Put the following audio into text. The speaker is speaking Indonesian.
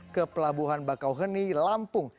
ke pelabuhan bakauheni lampung